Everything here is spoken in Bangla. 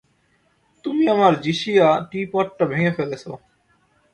তুমি আমার জিশিয়া টি-পটটা ভেঙে ফেলেছো।